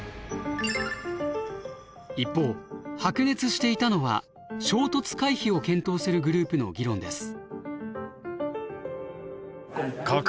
一方白熱していたのは衝突回避を検討するグループの議論です。